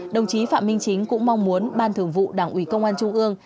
đồng chí phạm minh chính cũng mong muốn ban thường vụ đảng ủy công an trung ương